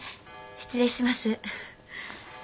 失礼します。